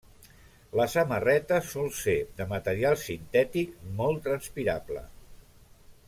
La samarreta sol ser de material sintètic molt transpirable.